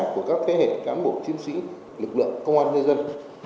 của các thế hệ cán bộ chiến sĩ lực lượng công an nhân dân